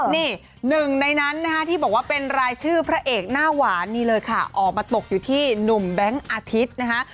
นี่หนึ่งในนั้นนะคะที่บอกว่าเป็นรายชื่อพระเอกหน้าหวานนี่เลยค่ะออกมาตกอยู่ที่หนุ่มแบงค์อาทิตย์นะคะ